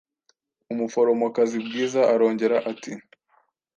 Umuforomokazi Bwiza arongera ati: